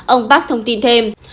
ông park thông tin thêm